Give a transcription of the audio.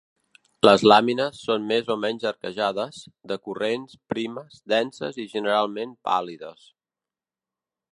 Les làmines són més o menys arquejades, decurrents, primes, denses i, generalment, pàl·lides.